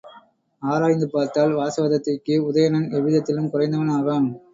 ஆராய்ந்து பார்த்தால் வாசவதத்தைக்கு உதயணன் எவ்விதத்திலும் குறைந்தவன் ஆகான்.